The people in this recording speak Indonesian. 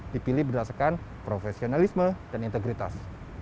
dipilih berdasarkan profesionalisme dan integritas